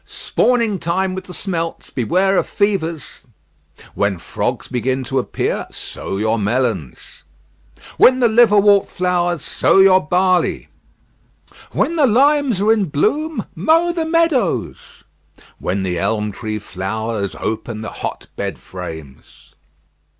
"Spawning time with the smelts; beware of fevers." "When frogs begin to appear, sow your melons." "When the liverwort flowers, sow your barley." "When the limes are in bloom, mow the meadows." "When the elm tree flowers, open the hot bed frames."